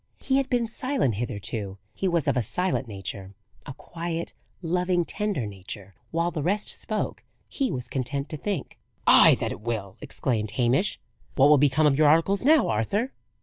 He had been silent hitherto; he was of a silent nature: a quiet, loving, tender nature: while the rest spoke, he was content to think. "Ay, that it will!" exclaimed Hamish. "What will become of your articles now, Arthur?"